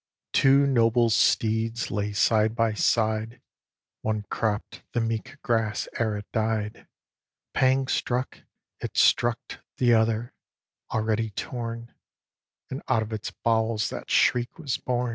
Two noble steeds lay side by side, One cropp'd the meek grass ere it died; Pang struck it struck t' other, already torn, And out of its bowels that shriek was born.